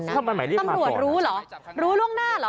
ถ้ามันหมายเรียกมาพร้อมตำรวจรู้หรอรู้ล่วงหน้าหรอ